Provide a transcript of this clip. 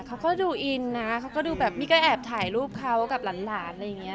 เขาก็ดูอินนะเขาก็ดูแบบมีก็แอบถ่ายรูปเขากับหลานอะไรอย่างนี้